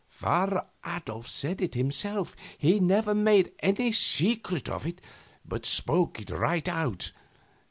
Father Adolf said it himself. He never made any secret of it, but spoke it right out.